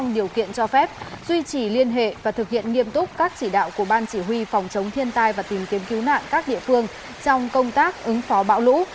duy trì liên hệ và thực hiện nghiêm túc các chỉ đạo của ban chỉ huy phòng chống thiên tai và tìm kiếm cứu nạn các địa phương trong công tác ứng phó bão lũ